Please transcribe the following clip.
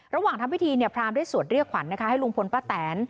ระหว่างทำพิธีพรามได้สวดเรียกขวัญนะคะให้ลุงพลป้าแตน